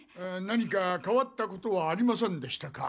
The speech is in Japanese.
何か変わったことはありませんでしたか？